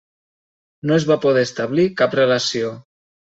No es va poder establir cap relació.